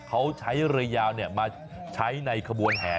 เขาใช้เรือยาวมาใช้ในขบวนแห่